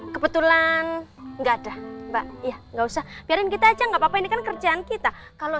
kebetulan enggak ada mbak ya nggak usah biarin kita aja nggak apa apa ini kan kerjaan kita kalau